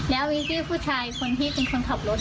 แล้ววิจี้ผู้ชายคนที่เป็นคนขับรถ